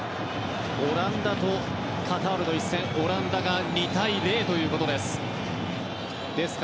オランダとカタールの一戦はオランダが２対０ということです。